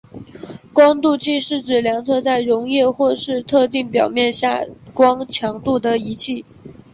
光度计是指量测在溶液或是特定表面下光强度的仪器。